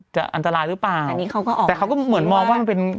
จะอันตรายหรือเปล่าแต่เขาก็เหมือนมองว่ามันเป็น